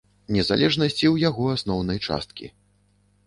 Незалежнасці ў яго асноўнай часткі.